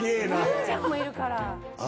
わんちゃんもいるから。